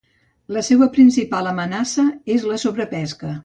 La seua principal amenaça és la sobrepesca.